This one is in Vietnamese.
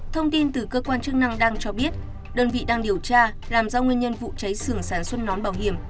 thông tin từ cơ quan chức năng đăng cho biết đơn vị đăng điều tra làm ra nguyên nhân vụ cháy sửng sản xuất nón bảo hiểm